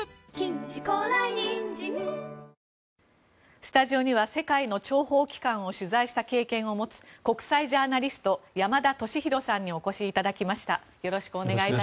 スタジオには世界の諜報機関を取材した経験を持つ国際ジャーナリスト山田敏弘さんにお越しいただきました。